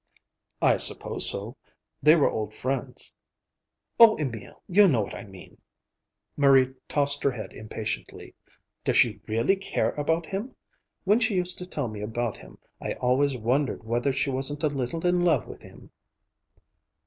"I suppose so. They were old friends." "Oh, Emil, you know what I mean!" Marie tossed her head impatiently. "Does she really care about him? When she used to tell me about him, I always wondered whether she wasn't a little in love with him."